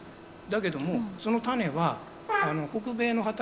だけどもその種は北米の畑でですね